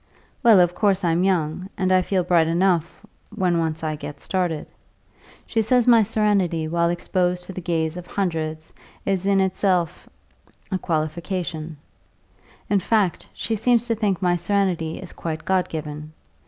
Well, of course I'm young, and I feel bright enough when once I get started. She says my serenity while exposed to the gaze of hundreds is in itself a qualification; in fact, she seems to think my serenity is quite God given.